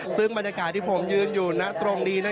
ซึ่งบรรยากาศที่ผมยืนอยู่ณตรงนี้